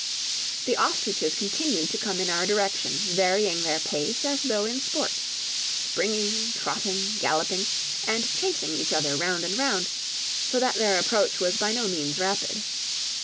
The ostriches continued to come in our direction, varying their pace as though in sport, springing, trotting, galloping, and chasing each other round and round, so that their approach was by no means rapid.